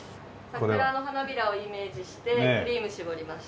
桜の花びらをイメージしてクリーム搾りました。